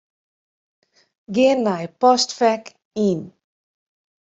Gean nei Postfek Yn.